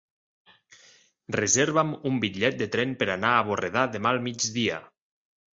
Reserva'm un bitllet de tren per anar a Borredà demà al migdia.